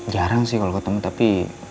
jarang sih kalau ketemu tapi